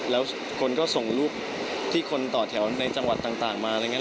แล้วคนก็ส่งรูปที่คนต่อแถวในจังหวัดต่างมาอะไรอย่างนี้